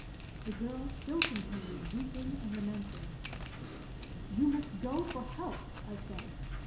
The girl still continued weeping and lamenting. "You must go for help," I said.